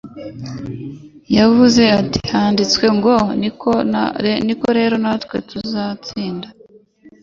Yaravuze ati: "handitswe ngo". Niko rero natwe tuzatsinda,